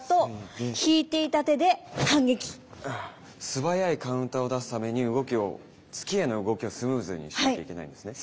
素早いカウンターを出すために動きを突きへの動きをスムーズにしなきゃいけないんですね。